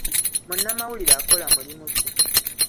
Munnamawulire akola mulimu ki?